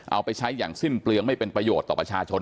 เอาไปใช้อย่างสิ้นเปลืองไม่เป็นประโยชน์ต่อประชาชน